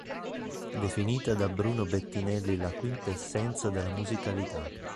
Definita da Bruno Bettinelli "la quintessenza della musicalità".